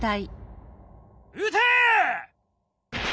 撃て！